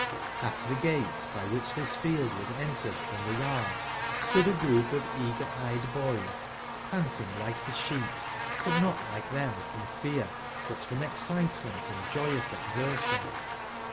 At the gate by which this field was entered from the yard stood a group of eager eyed boys, panting like the sheep, but not like them from fear, but from excite¬ ment and joyous exertion.